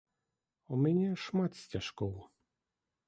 У мяне шмат сцяжкоў.